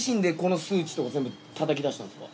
全部たたき出したんですか？